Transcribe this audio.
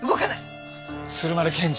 鶴丸検事